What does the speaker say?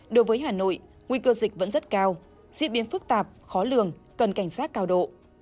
đối với hà nội nguy cơ dịch vẫn rất cao diễn biến phức tạp khó lường cần cảnh sát cao độ